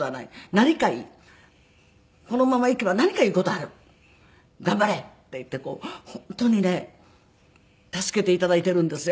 何かいいこのまま行けば何かいい事ある頑張れ！っていって本当にね助けて頂いているんですよ。